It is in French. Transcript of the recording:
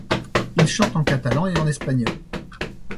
Il chante en catalan et en espagnol.